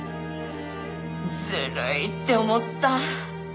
ずるいって思った。